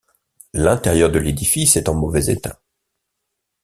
L'intérieur de l'édifice est en mauvais état.